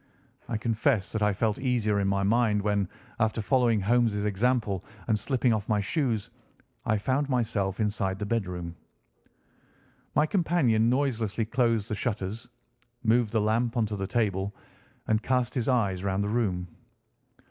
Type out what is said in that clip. I confess that I felt easier in my mind when, after following Holmes' example and slipping off my shoes, I found myself inside the bedroom. My companion noiselessly closed the shutters, moved the lamp onto the table, and cast his eyes round the room.